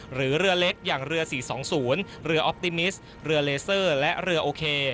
หรือเรือเล็กอย่างเรือ๔๒๐เรือออปติมิสเรือเลเซอร์และเรือโอเค